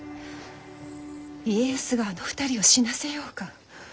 家康があの２人を死なせようか。